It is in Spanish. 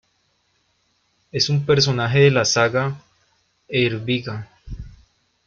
Es un personaje de la "saga Eyrbyggja".